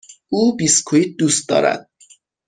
او بیسکوییت دوست دارد.